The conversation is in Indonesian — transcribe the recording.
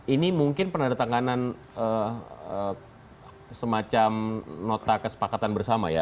ini mungkin penanda tanganan semacam nota kesepakatan bersama ya